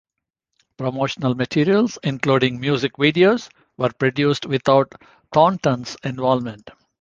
Promotional materials, including music videos, were produced without Thornton's involvement.